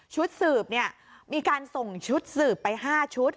ชุดสืบมีการส่งชุดสืบไป๕ชุด